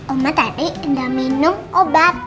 oma tadi udah minum obat